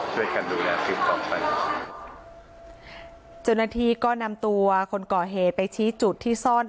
ช่วยกันดูแลคลิปต่อไปเจ้าหน้าที่ก็นำตัวคนก่อเหตุไปชี้จุดที่ซ่อน